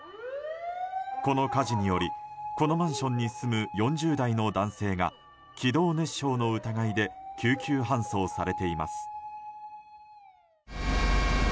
この火事によりこのマンションに住む４０代の男性が気道熱傷の疑いで救急搬送されています。